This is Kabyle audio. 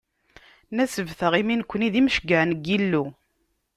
Nasbet-aɣ, imi nekni d imceyyɛen n Yillu.